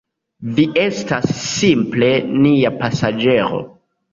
Vi estas simple nia pasaĝero.